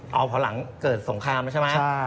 เอาพอหลังเกิดสงครามแล้วใช่ไหม